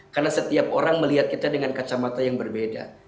karena setiap orang melihat kita dengan kacamata yang berbeda